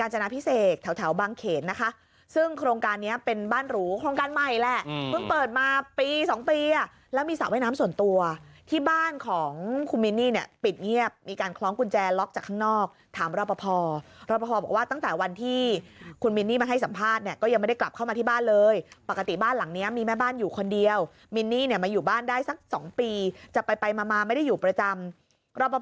แจร์ล็อคจากข้างนอกถามรอปพรอปพบอกว่าตั้งแต่วันที่คุณมินนี่มาให้สัมภาษณ์เนี่ยก็ยังไม่ได้กลับเข้ามาที่บ้านเลยปกติบ้านหลังนี้มีแม่บ้านอยู่คนเดียวมินนี่เนี่ยมาอยู่บ้านได้สัก๒ปีจะไปมาไม่ได้อยู่ประจำร